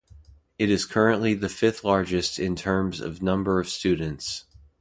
It is currently the fifth largest in terms of number of students.